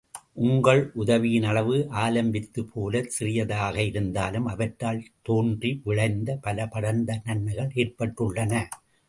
உங்கள் உதவியின் அளவு ஆலம் வித்துப்போலச் சிறியதாக இருந்தாலும், அவற்றால் தோன்றி விளைந்து பல படர்ந்த நன்மைகள் ஏற்பட்டுள்ளன.